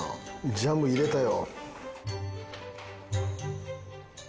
ジャム入れたよ。